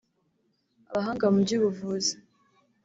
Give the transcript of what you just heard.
Abahanga mu by’ubuvuzi